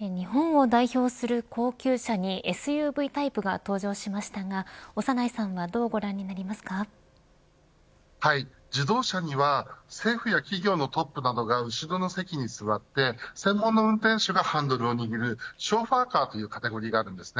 日本を代表する高級車にＳＵＶタイプが登場しましたが長内さんは自動車には政府や企業のトップなどが後ろの席に座って専門の運転手がハンドルを握るショーファーカーというカテゴリーがあります。